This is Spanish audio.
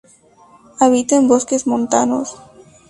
Habita en bosques montanos.